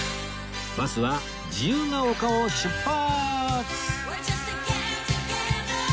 バスは自由が丘を出発！